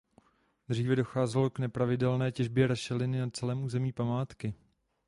Dříve docházelo k nepravidelné těžbě rašeliny na celém území památky.